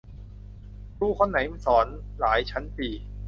ครูคนไหนสอนหลายชั้นปี